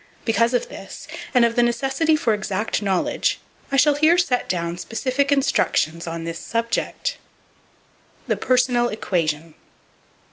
Because of this, and of the necessity for exact knowledge, I shall here set down specific instructions on this subject. The Personal Equation.